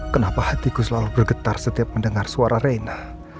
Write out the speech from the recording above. kenapa hatiku selalu bergetar setiap mendengar suara reina